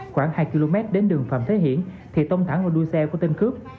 khoảng hai km đến đường phạm thế hiển thì tông thẳng một đuôi xe có tên cướp